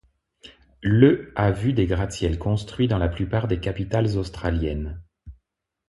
Le a vu des gratte-ciel construits dans la plupart des capitales australiennes.